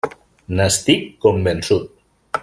N'estic convençut.